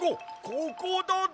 ここだで！